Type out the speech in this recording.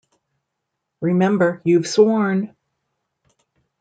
Remember, you've sworn!